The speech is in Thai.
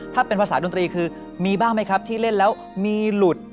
ถ้าเป็นภาษาดนตรีมีบ้างที่เล่นแล้วมีหลุด